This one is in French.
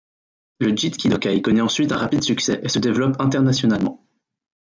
Le Jeetkïdokaï connaît ensuite un rapide succès et se développe internationalement.